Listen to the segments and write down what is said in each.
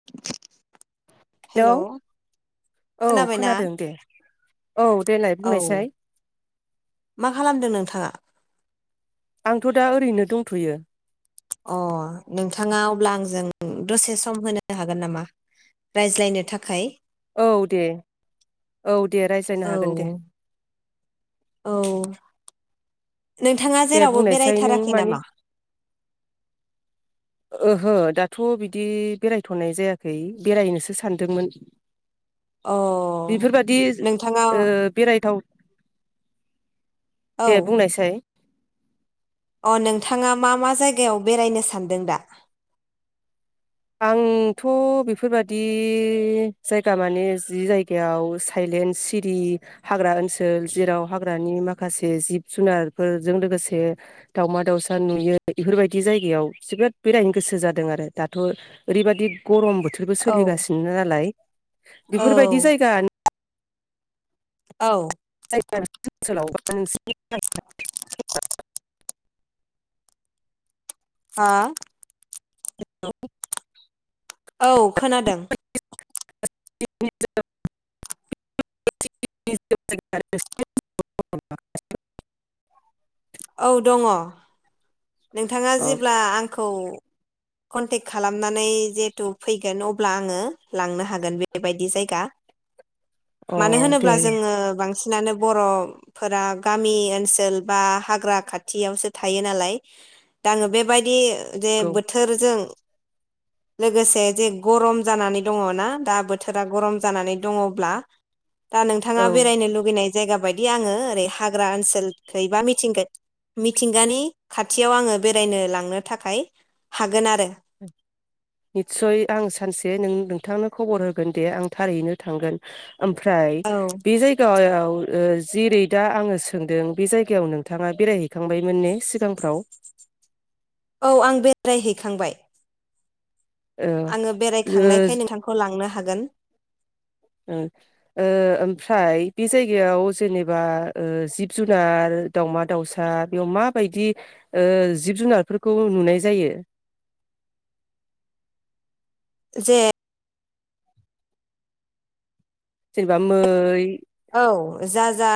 [inaudible] Hello औ खोनाबायना खोनादों दे औ देलाय औ बुंनायसाय मा खालामदों नोंथाङा? आंथ' दा ओरैनो दंथ'यो। अ नोंथाङा अब्ला आंजों दसे सम होनो हागोन नामा? रायज्लायनो थाखाय औ दे औ दे औ रायज्लायनो हागोन दे। औ नोंथाङा दे जेरावबो बुंनायसाय नों बेरायथाराखै मानि नामा? ओहो दाथ' बिदि बेरायथ'नाय जायाखै, बेरायनोसो सानदोंमोन। अ बेफोरबादि नोंथाङा ओ बेरायथाव औ दे बुंनायसाय। अ नोंथाङा मा मा जायगायाव बेरायनो सानदों दा? आंथ' बेफोरबादि जायगा माने जि जायगायाव थाइलेण्ड सिरि हाग्रा ओनसोल जेराव हाग्रानि माखासे जिब जुनारफोरजों लोगोसे दावमा दाउसा नुयो। बेफोरबायदि जायगायाव जोबोद बेरायनो गोसो जादों आरो दाद ओरैबायदि गरम बोथोरबो औ सोलिगासिनो नालाय औ बेफोरबायदि जायगा औ। [unintelligible] हा? [unintelligible] औ खोनादों। [unintelligible] औ दङ' नोंथाङा अ जेब्ला आंखौ कनटेक्ट खालामनानै जिहेथु फैगोन अब्ला आङो लांनो हागोन बेबायदि जायगा। अ मानो होनोब्ला दे जोङो बांसिन नानो बर'फोरा गामि ओनसोल बा हाग्रा खाथियावसो थायो नालाय दा आङो बेबायदि जे औ बोथोरजों लोगोसे जे गरम जानानै दङ ना दा बोथोरा गरम जानानै दङब्ला। दा नोंथाङा औ बेरायनो लुगैनाय जायगा बायदि आङो ओरै हाग्रा ओनसोलखै बा मिथिंग मिथिंगानि खाथियाव आङो बेरायनो लांनो थाखाय हागोन आरो। निस्सय आं सानसे नों नोंथांनो खबर होगोन दे आं थारैनो थांगोन। ओमफ्राय औ बे जाय गायाव ओ जेरै दा आङो सोंदों बे जायगायाव नोंथाङा बेरायहैखांबायमोन ने सिगांफ्राव? औ आं बेरायहैखांबाय। ओ आङो ओ बेरायखांनायखाय नोंथांखौ लांनो हागोन। ओ ओमफ्राय बे जायगायाव जेनेबा ओ जिब जुनार दावमा दाउसा बेयाव माबायदि ओ जिब जुनारफोरखौ नुनाय जायो? जे जेनेबा मै औ जा जा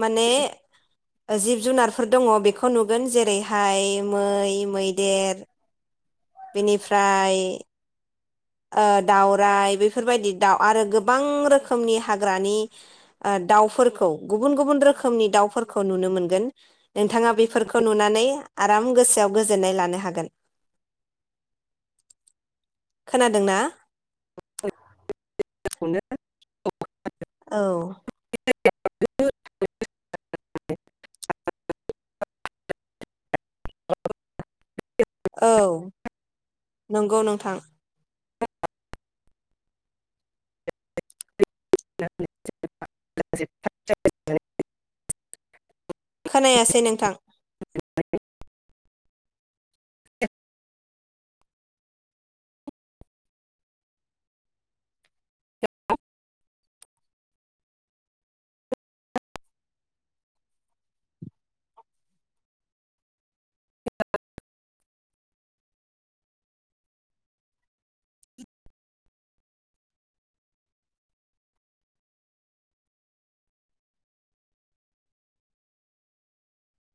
माने ओ जिब जुनारफोर दङ' बेखौ नुगोन जेरैहाय मै, मैदेर बेनिफ्राय ओ दाउराइ बेफोरबायदि दाउ आरो गोबां रोखोमनि हाग्रानि ओ दाउफोरखौ गुबुन गुबुन रोखोमनि दाउफोरखौ नुनो मोनगोन। नोंथाङा बेफोरखौ नुनानै आराम गोसोआव गोजोननाय लानो हागोन। खोनादोंना? [unintelligible] औ। औ नंगौ नोंथां। [unintelligible] खोनायासै नोंथां [unintelligible]